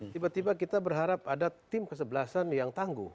tiba tiba kita berharap ada tim kesebelasan yang tangguh